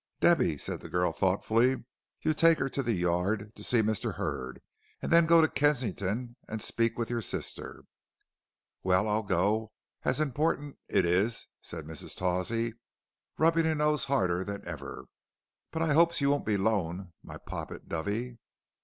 "Debby," said the girl, thoughtfully. "You take her to the Yard to see Mr. Hurd, and then go to Kensington to speak with your sister." "Well, I'll go, as importance it is," said Mrs. Tawsey, rubbing her nose harder than ever. "But I 'opes you won't be lone, my poppet dovey."